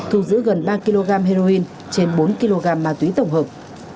heroin trên bốn kg ma túy tổng hợp